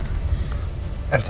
teng dile one